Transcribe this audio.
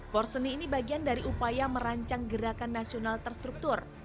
porseni ini bagian dari upaya merancang gerakan nasional terstruktur